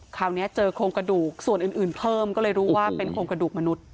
คราวนี้เจอโครงกระดูกส่วนอื่นเพิ่มก็เลยรู้ว่าเป็นโครงกระดูกมนุษย